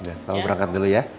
udah kamu berangkat dulu ya